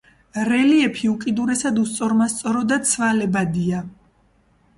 რელიეფი უკიდურესად უსწორმასწორო და ცვალებადია.